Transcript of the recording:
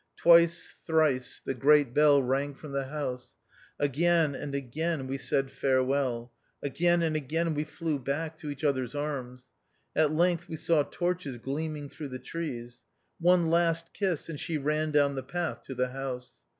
Twice, thrice, the great bell rang from the house ; again and again we said farewell, again and again we flew back to each other's arms. At length we saw torches gleaming through the trees. One last kiss, and she ran down the path to the house.